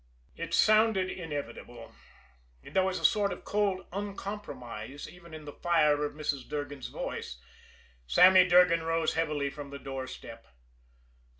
It sounded inevitable. There was a sort of cold uncompromise even in the fire of Mrs. Durgan's voice. Sammy Durgan rose heavily from the doorstep.